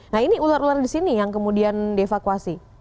nah ini ular ular di sini yang kemudian dievakuasi